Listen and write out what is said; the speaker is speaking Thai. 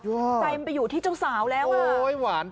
ใจมันไปอยู่ที่เจ้าสาวแล้วอ่ะ